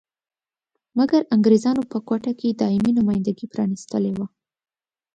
مګر انګریزانو په کوټه کې دایمي نمایندګي پرانیستلې وه.